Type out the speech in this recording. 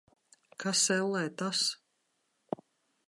Kas, ellē, tas?